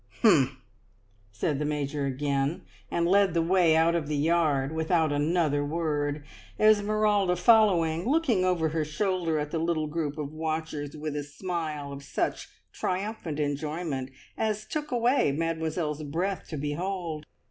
"Humph," said the Major again, and led the way out of the yard without another word, Esmeralda following, looking over her shoulder at the little group of watchers with a smile of such triumphant enjoyment as took away Mademoiselle's breath to behold.